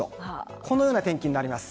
このような天気になります。